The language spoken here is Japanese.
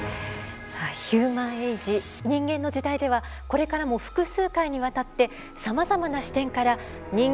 「ヒューマン・エイジ人間の時代」ではこれからも複数回にわたってさまざまな視点から「人間とは何か」